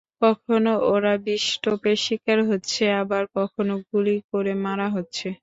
কখনো ওরা বিষটোপের শিকার হচ্ছে, আবার কখনো গুলি করে মারা হচ্ছে।